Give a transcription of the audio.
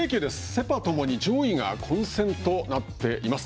セパ共に上位が混戦となっています。